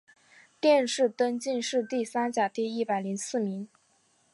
殿试登进士第三甲第一百零四名。